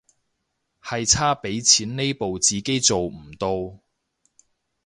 係差畀錢呢步自己做唔到